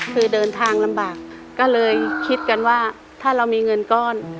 คือเดินทางลำบากก็เลยคิดกันว่าถ้าเรามีเงินก้อน